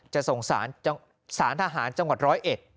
จะส่งสารทหารจังหวัดร้อยเอ็ด